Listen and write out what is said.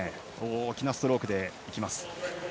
大きなストロークでいきます。